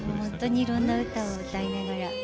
本当にいろんな歌を歌いながら。